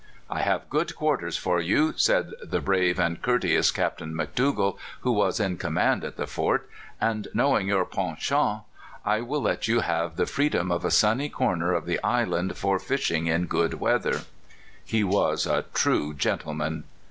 " I have good quarters for you," said the brave and courteous Captain McDougall, who was in command at the fort ;" and knowing your penchant, I will let you have the freedom of a sunny corner of the island for fishing in good weather." The true soldier is sometimes a true gentleman.